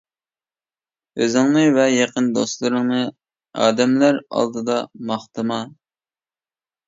ئۆزۈڭنى ۋە يېقىن دوستلىرىڭنى ئادەملەر ئالدىدا ماختىما.